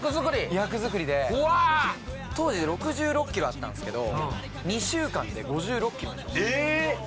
役作りで当時６６ｋｇあったんですけど２週間で５６ｋｇにえーっ！